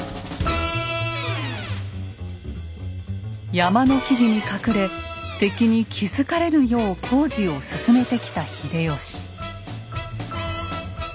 山の木々に隠れ敵に気付かれぬよう工事を進めてきた秀吉。